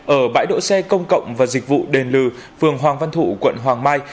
ở bãi đỗ xe công cộng và dịch vụ đền lừ phường hoàng văn thụ quận hoàng mai